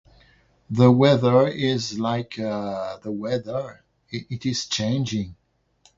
the weather is like a .. the weather is it is chenging